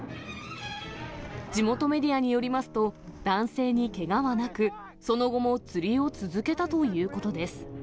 地元メディアによりますと、男性にけがはなく、その後も釣りを続けたということです。